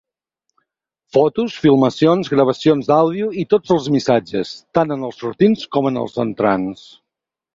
Fotos, filmacions, gravacions d'àudio i tots els missatges, tant els sortints com els entrants.